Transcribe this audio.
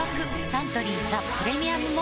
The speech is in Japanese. サントリー「ザ・プレミアム・モルツ」